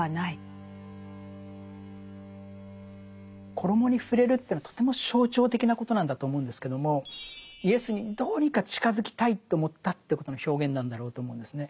衣に触れるというのはとても象徴的なことなんだと思うんですけどもイエスにどうにか近づきたいと思ったということの表現なんだろうと思うんですね。